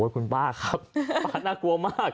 คุณป้าครับป้าน่ากลัวมาก